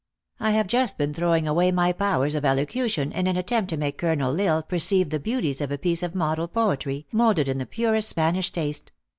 I have just been throwing away my powers of elocu tion in an attempt to make Colonel L lsle perceive the beauties of a piece of model poetry, moulded in the purest Spanish taste.